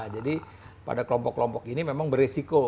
jadi pada kelompok kelompok ini memang beresiko